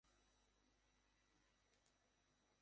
আমাদের তাড়া আছে।